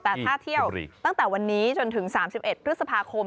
แต่ถ้าเที่ยวตั้งแต่วันนี้จนถึง๓๑พฤษภาคม